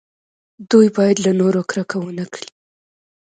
دوی باید له نورو کرکه ونه کړي.